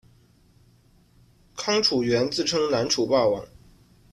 康楚元自称南楚霸王。